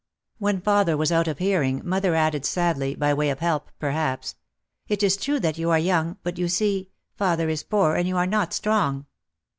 When father was out of hearing mother added sadly, by way of help perhaps, "It is true that you are young, but you see, father is poor and you are not strong